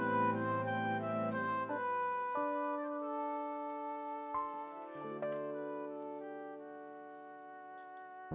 senang banget mau makan kalau mau saja